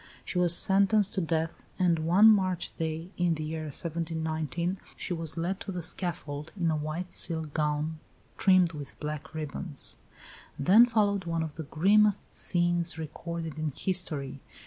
She was sentenced to death; and one March day, in the year 1719, she was led to the scaffold "in a white silk gown trimmed with black ribbons." Then followed one of the grimmest scenes recorded in history.